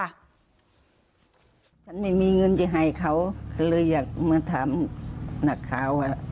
ฉันไม่มีเงินจะให้เขาก็เลยอยากมาถามนักข่าวว่า